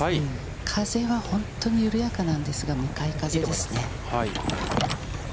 風は本当に緩やかなんですが、向かい風ですね。